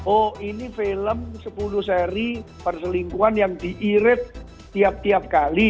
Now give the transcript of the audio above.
oh ini film sepuluh seri perselingkuhan yang di ired tiap tiap kali